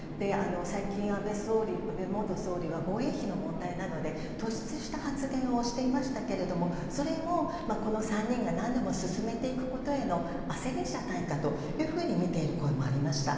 最近、安倍元総理は防衛費の問題などで突出した発言をしていましたけれども、それもこの３人がなんでも進めていくことへの焦りじゃないかというふうに見ている声もありました。